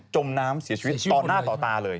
มน้ำเสียชีวิตต่อหน้าต่อตาเลย